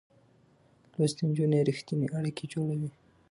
لوستې نجونې رښتينې اړيکې جوړوي.